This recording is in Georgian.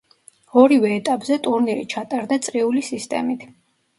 ორივე ეტაპზე ტურნირი ჩატარდა წრიული სისტემით.